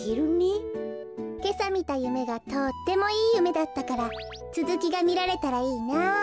けさみたゆめがとってもいいゆめだったからつづきがみられたらいいなあ。